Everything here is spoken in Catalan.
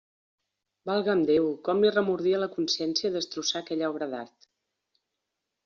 Valga'm Déu, com li remordia la consciència destrossar aquella obra d'art!